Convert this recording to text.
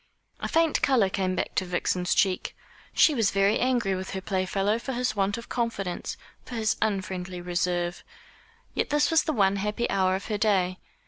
A faint colour came back to Vixen's cheek. She was very angry with her playfellow for his want of confidence, for his unfriendly reserve. Yet this was the one happy hour of her day.